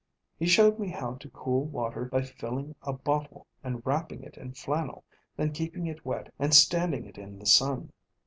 He showed me how to cool water by filling a bottle and wrapping it in flannel, then keeping it wet and standing it in the sun."